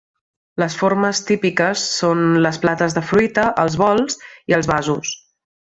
Les formes típiques són les plates de fruita, els bols i el vasos.